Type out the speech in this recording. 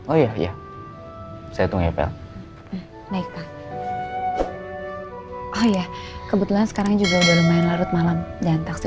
oh iya saya tunggu ngepel naik pak oh iya kebetulan sekarang juga udah lumayan larut malam dan taksi